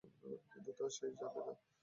কিন্তু তা সে জানে না!